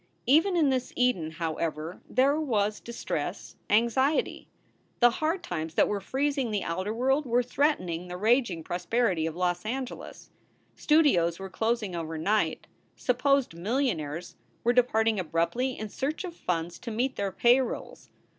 Even in this Eden, however, there was distress, anxiety. SOULS FOR SALE 171 The hard times that were freezing the outer world were threatening the raging prosperity of Los Angeles. Studios were closing overnight. Supposed millionaires were departing abruptly in search of funds to meet their payrolls.